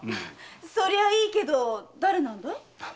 そりゃあいいけど誰なんだい？